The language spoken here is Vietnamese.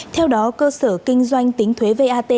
theo đó cơ sở kinh doanh tính thuế vat